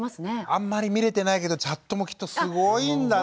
あんまり見れてないけどチャットもきっとすごいんだろうね。